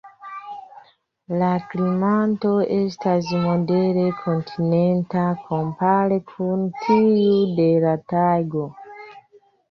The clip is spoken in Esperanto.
La klimato estas modere kontinenta kompare kun tiu de la tajgo.